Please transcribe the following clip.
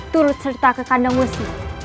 turut serta ke kandang musik